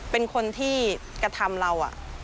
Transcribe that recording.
เป็นคนที่กระทำเรา